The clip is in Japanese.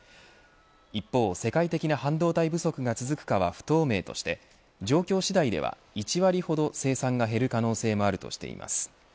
一方、世界的な半導体不足が続かは不透明として状況次第では、１割ほど生産が減る可能性もあるとしています。